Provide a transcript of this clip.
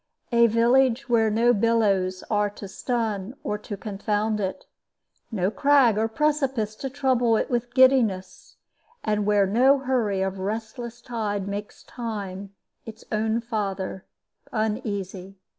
A village where no billows are to stun or to confound it, no crag or precipice to trouble it with giddiness, and where no hurry of restless tide makes time, its own father, uneasy.